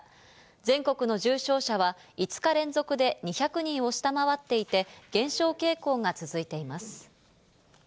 全国の重症者は、５日連続で２００人を下回っていて、減少傾向が続いています。